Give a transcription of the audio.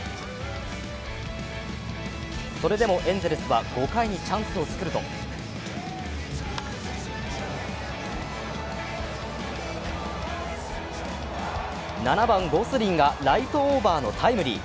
それでもエンゼルスは５回にチャンスを作ると７番・ゴスリンがライトオーバーのタイムリー。